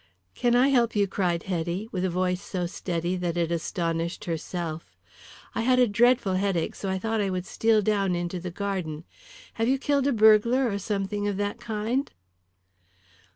"Can I help you?" cried Hetty, with a voice so steady that it astonished herself. "I had a dreadful headache, so I thought I would steal down into the garden. Have you killed a burglar or something of that kind?"